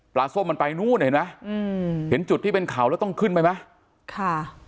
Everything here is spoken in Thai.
ส้มมันไปนู่นเห็นไหมอืมเห็นจุดที่เป็นเขาแล้วต้องขึ้นไปไหมค่ะ